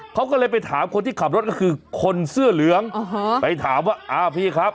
เขาก็เลยไปถามคนที่ขับรถก็คือคนเสื้อเหลืองไปถามว่าอ้าวพี่ครับ